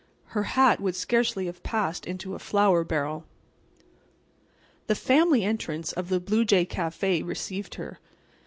Her hat would scarcely have passed into a flour barrel. The "Family Entrance" of the Blue Jay Café received her.